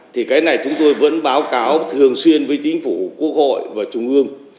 thì cái này chúng tôi vẫn báo cáo thường xuyên với chính phủ quốc hội và trung ương